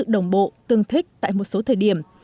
đồng bộ tương thích tại một số thời điểm